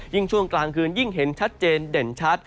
ช่วงกลางคืนยิ่งเห็นชัดเจนเด่นชัด